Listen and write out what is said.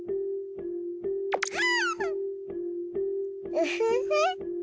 ウフフ！